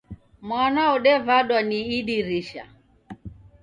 Mwana wodevadwa ni idirisha